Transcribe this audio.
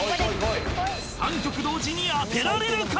３曲同時に当てられるか！？